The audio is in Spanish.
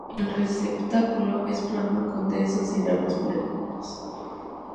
El receptáculo es plano, con densos y largos pelos.